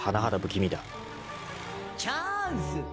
チャンス。